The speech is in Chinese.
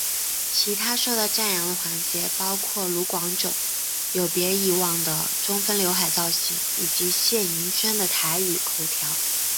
其他受到赞扬的环节包括卢广仲有别以往的中分浏海造型以及谢盈萱的台语口条。